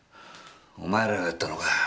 お前らがやったのか。